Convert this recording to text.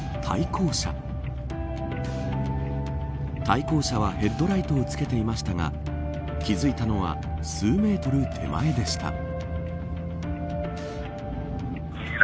対向車はヘッドライトをつけていましたが気付いたのは数メートル手前でした。